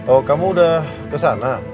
oh kamu udah kesana